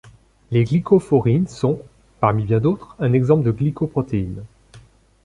Les glycophorines sont, parmi bien d'autres, un exemple de glycoprotéines.